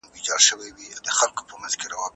زه اجازه لرم چي سپينکۍ پرېولم!